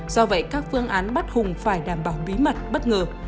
do vậy các phương án bắt hùng phải đảm bảo bí mật bất ngờ